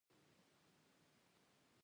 ځنګلونه د افغانستان د طبعي سیسټم توازن ساتي.